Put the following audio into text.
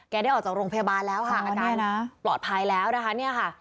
ได้ออกจากโรงพยาบาลแล้วค่ะอันนี้นะปลอดภัยแล้วนะคะเนี่ยค่ะ